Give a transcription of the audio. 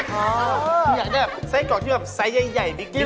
นี่แหละไส้กอกที่แบบไซส์ใหญ่บิ๊กดี